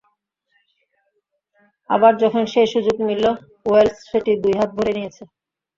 আবার যখন সেই সুযোগ মিলল, ওয়েলস সেটি দুই হাত ভরেই নিয়েছে।